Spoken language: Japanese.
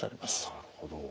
なるほど。